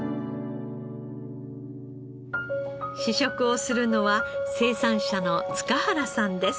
試食をするのは生産者の塚原さんです。